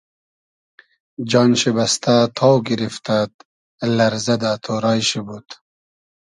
جان شی بئستۂ تاو گیریفتئد لئرزۂ دۂ تۉرای شی بود